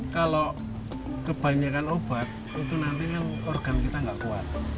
kalau kebanyakan obat itu nanti kan organ kita nggak kuat